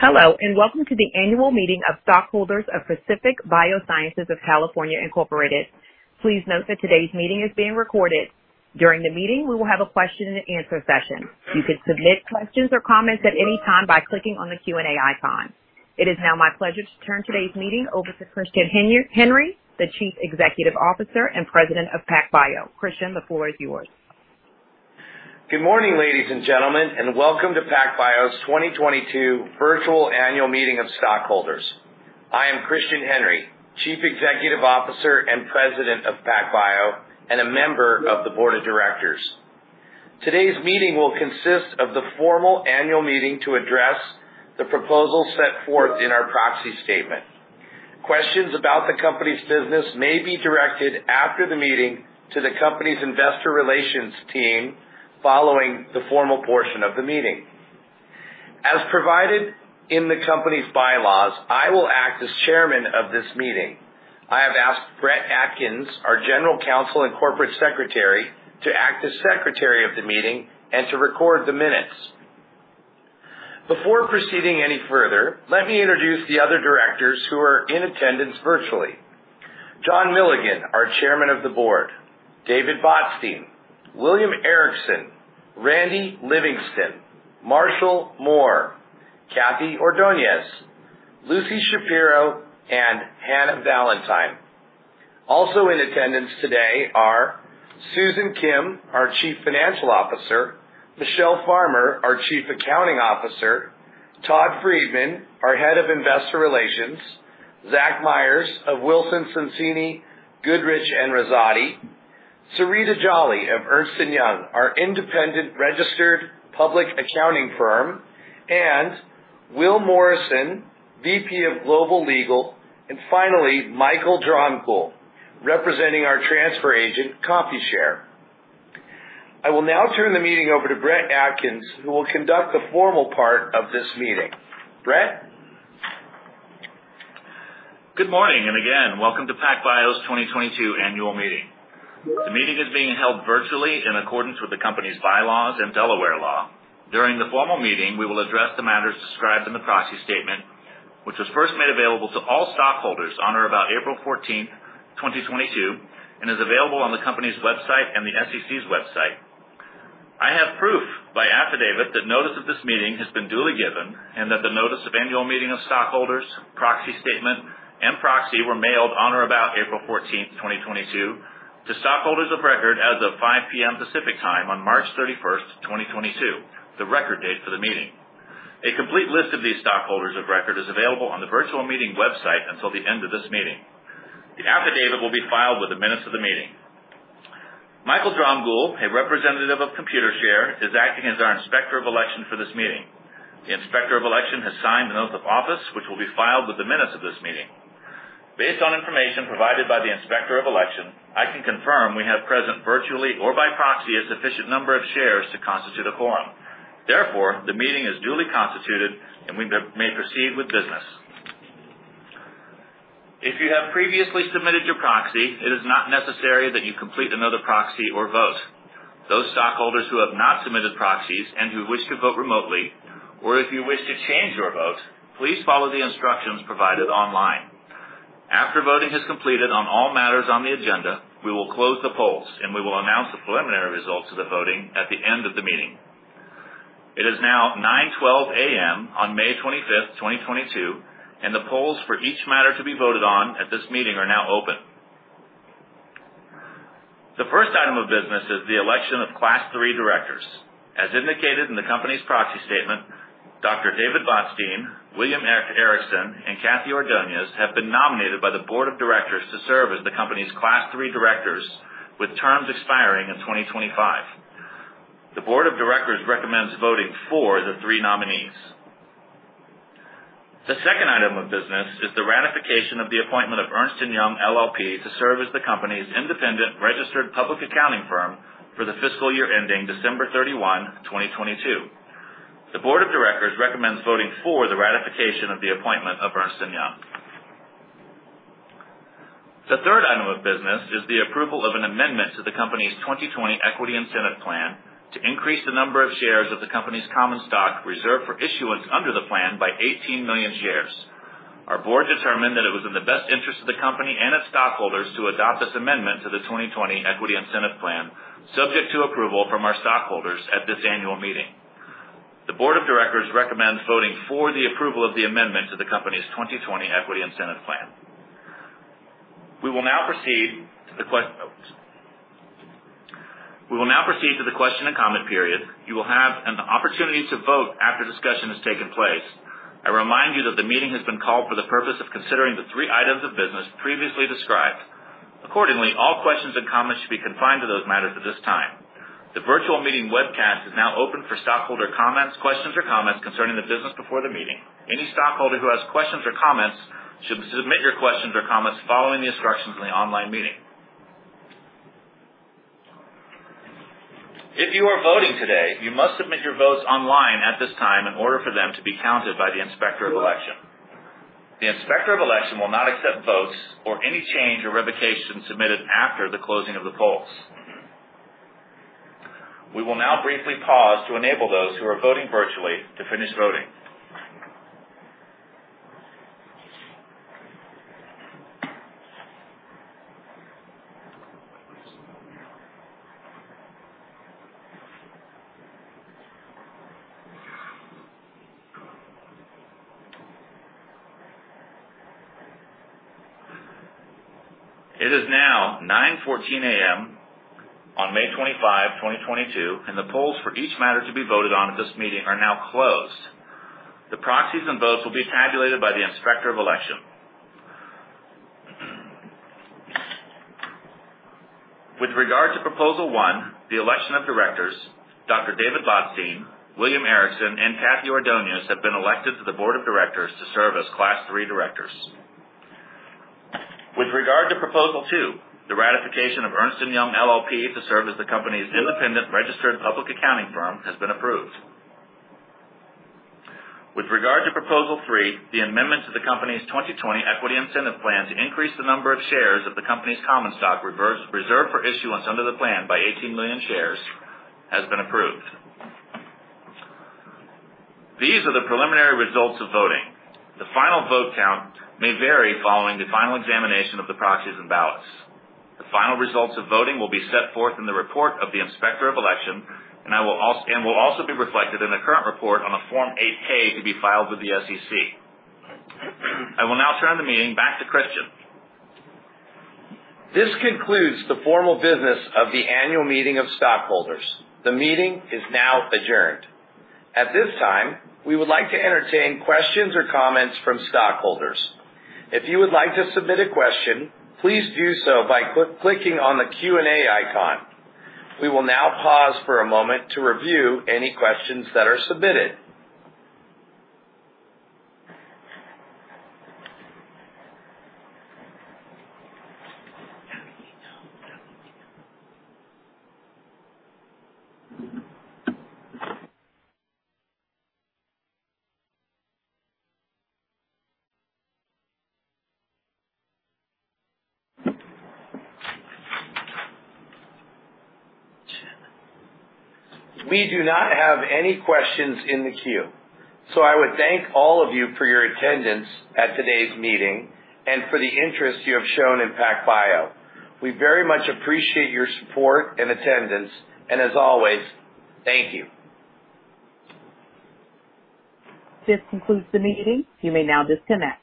Hello, and welcome to the Annual Meeting of Stockholders of Pacific Biosciences of California, Inc. Please note that today's meeting is being recorded. During the meeting, we will have a question and answer session. You can submit questions or comments at any time by clicking on the Q&A icon. It is now my pleasure to turn today's meeting over to Christian Henry, the Chief Executive Officer and President of PacBio. Christian, the floor is yours. Good morning, ladies and gentlemen, and welcome to PacBio's 2022 virtual annual meeting of stockholders. I am Christian Henry, Chief Executive Officer and President of PacBio, and a member of the board of directors. Today's meeting will consist of the formal annual meeting to address the proposal set forth in our proxy statement. Questions about the company's business may be directed after the meeting to the company's investor relations team following the formal portion of the meeting. As provided in the company's bylaws, I will act as chairman of this meeting. I have asked Brett Atkins, our General Counsel and Corporate Secretary, to act as secretary of the meeting and to record the minutes. Before proceeding any further, let me introduce the other directors who are in attendance virtually. John Milligan, our Chairman of the Board, David Botstein, William Ericson, Randy Livingston, Marshall Mohr, Kathy Ordoñez, Lucy Shapiro, and Hannah Valantine. Also in attendance today are Susan Kim, our Chief Financial Officer, Michele Farmer, our Chief Accounting Officer, Todd Friedman, our Head of Investor Relations, Zach Myers of Wilson Sonsini Goodrich & Rosati, Surita Jolly of Ernst & Young, our independent registered public accounting firm, and Will Morrison, VP of Global Legal, and finally, Michael Dromgoole, representing our transfer agent, Computershare. I will now turn the meeting over to Brett Atkins, who will conduct the formal part of this meeting. Brett. Good morning, and again, welcome to PacBio's 2022 annual meeting. The meeting is being held virtually in accordance with the company's bylaws and Delaware law. During the formal meeting, we will address the matters described in the proxy statement, which was first made available to all stockholders on or about April 14, 2022, and is available on the company's website and the SEC's website. I have proof by affidavit that notice of this meeting has been duly given and that the notice of annual meeting of stockholders, proxy statement, and proxy were mailed on or about April 14, 2022 to stockholders of record as of 5:00 P.M. Pacific Time on March 31, 2022, the record date for the meeting. A complete list of these stockholders of record is available on the virtual meeting website until the end of this meeting. The affidavit will be filed with the minutes of the meeting. Michael Dromgoole, a representative of Computershare, is acting as our Inspector of Election for this meeting. The Inspector of Election has signed an oath of office, which will be filed with the minutes of this meeting. Based on information provided by the Inspector of Election, I can confirm we have present virtually or by proxy a sufficient number of shares to constitute a quorum. Therefore, the meeting is duly constituted, and we may proceed with business. If you have previously submitted your proxy, it is not necessary that you complete another proxy or vote. Those stockholders who have not submitted proxies and who wish to vote remotely, or if you wish to change your vote, please follow the instructions provided online. After voting is completed on all matters on the agenda, we will close the polls, and we will announce the preliminary results of the voting at the end of the meeting. It is now 9:12 A.M. on May 25th, 2022, and the polls for each matter to be voted on at this meeting are now open. The 1st item of business is the election of Class III directors. As indicated in the company's proxy statement, Dr. David Botstein, William Ericson, and Kathy Ordoñez have been nominated by the board of directors to serve as the company's Class III directors with terms expiring in 2025. The board of directors recommends voting for the three nominees. The 2nd item of business is the ratification of the appointment of Ernst & Young LLP to serve as the company's independent registered public accounting firm for the fiscal year ending December 31, 2022. The board of directors recommends voting for the ratification of the appointment of Ernst & Young. The 3rd item of business is the approval of an amendment to the company's 2020 equity incentive plan to increase the number of shares of the company's common stock reserved for issuance under the plan by 18 million shares. Our board determined that it was in the best interest of the company and its stockholders to adopt this amendment to the 2020 equity incentive plan, subject to approval from our stockholders at this annual meeting. The board of directors recommends voting for the approval of the amendment to the company's 2020 equity incentive plan. We will now proceed to the question and comment period. You will have an opportunity to vote after discussion has taken place. I remind you that the meeting has been called for the purpose of considering the three items of business previously described. Accordingly, all questions and comments should be confined to those matters at this time. The virtual meeting webcast is now open for stockholder comments, questions or comments concerning the business before the meeting. Any stockholder who has questions or comments should submit your questions or comments following the instructions in the online meeting. If you are voting today, you must submit your votes online at this time in order for them to be counted by the Inspector of Election. The Inspector of Election will not accept votes or any change or revocation submitted after the closing of the polls. We will now briefly pause to enable those who are voting virtually to finish voting. It is now 9:14 A.M. on May 25, 2022, and the polls for each matter to be voted on at this meeting are now closed. The proxies and votes will be tabulated by the inspector of election. With regard to proposal one, the election of directors, Dr. David Botstein, William Ericson, and Kathy Ordoñez have been elected to the board of directors to serve as class three directors. With regard to proposal two, the ratification of Ernst & Young LLP to serve as the company's independent registered public accounting firm has been approved. With regard to proposal three, the amendment to the company's 2020 Equity Incentive Plan to increase the number of shares of the company's common stock reserved for issuance under the plan by 18 million shares has been approved. These are the preliminary results of voting. The final vote count may vary following the final examination of the proxies and ballots. The final results of voting will be set forth in the report of the inspector of election, and will also be reflected in the current report on a Form 8-K to be filed with the SEC. I will now turn the meeting back to Christian. This concludes the formal business of the annual meeting of stockholders. The meeting is now adjourned. At this time, we would like to entertain questions or comments from stockholders. If you would like to submit a question, please do so by clicking on the Q&A icon. We will now pause for a moment to review any questions that are submitted. We do not have any questions in the queue. I would thank all of you for your attendance at today's meeting and for the interest you have shown in PacBio. We very much appreciate your support and attendance, and as always, thank you. This concludes the meeting. You may now disconnect.